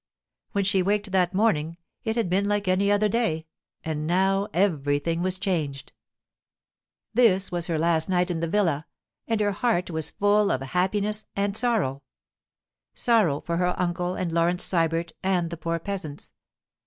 When she waked that morning it had been like any other day, and now everything was changed. This was her last night in the villa, and her heart was full of happiness and sorrow—sorrow for her uncle and Laurence Sybert and the poor peasants.